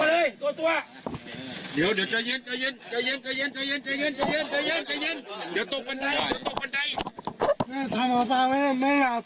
อาวุธเด็ดของเราอะไรครับหมดหนักใช่ไหมครับ